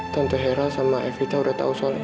tante hera sama evita udah tau soal ini